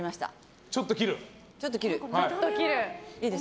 ちょっと切る。